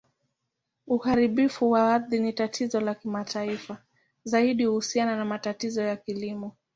Uharibifu wa ardhi ni tatizo la kimataifa, zaidi kuhusiana na matumizi ya kilimo.